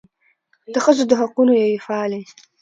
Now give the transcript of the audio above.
د ښځو د حقونو یوې فعالې